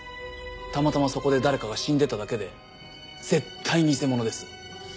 たまたまそこで誰かが死んでただけで絶対偽者です。